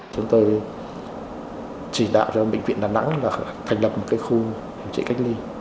chúng tôi chỉ đạo cho bệnh viện đà nẵng là thành lập một khu điều trị cách ly